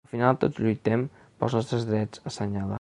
Al final tots lluitem pels nostres drets, assenyala.